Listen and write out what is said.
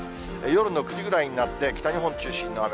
夜の９時ぐらいになって、北日本中心の雨。